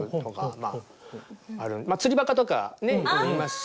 まあ釣りバカとか言いますし。